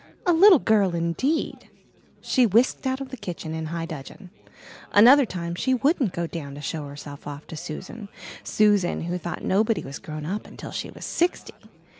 A little girl indeed! She whisked out of the kitchen in high dudgeon. Another time she wouldn't go down to show herself off to Susan Susan, who thought nobody was grown up until she was sixty!